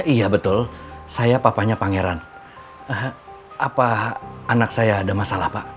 iya betul saya papanya pangeran apa anak saya ada masalah pak